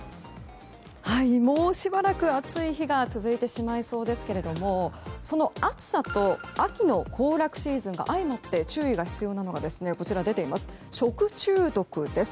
もうしばらく暑い日が続いてしまいそうですがその暑さと秋の行楽シーズンが相まって注意が必要なのが、食中毒です。